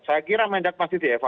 saya kira mendak menurut saya